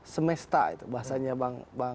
semesta itu bahasanya bang